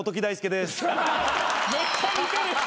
めっちゃ似てる。